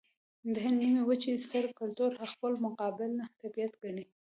د هند د نيمې وچې ستر کلتور خپل مقابل طبیعت ګڼي.